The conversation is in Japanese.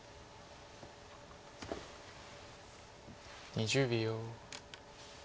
２０秒。